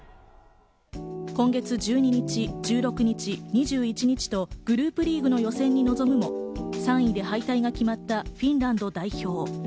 今月１２日、１６日、２１日とグループリーグの予選に臨むも、３位で敗退が決まったフィンランド代表。